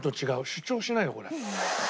主張しないわこれ。